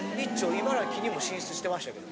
茨城にも進出してましたけど。